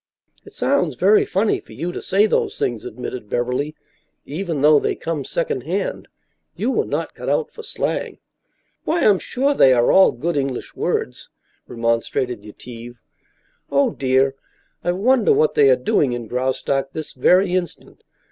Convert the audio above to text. "It sounds very funny for you to say those things," admitted Beverly, "even though they come secondhand. You were not cut out for slang." "Why, I'm sure they are all good English words," remonstrated Yetive. "Oh, dear, I wonder what they are doing in Graustark this very instant.